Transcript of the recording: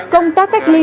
công tác cách ly